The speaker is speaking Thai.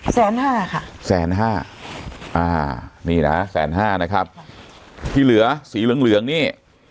แสนห้าค่ะแสนห้าอ่านี่นะแสนห้านะครับที่เหลือสีเหลืองเหลืองนี่